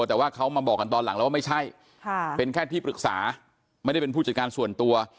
แต่ว่าเขามาบอกกันตอนหลังแล้วว่าไม่ใช่เป็นแค่ที่ปรึกษาไม่ได้เป็นผู้จัดการส่วนตัว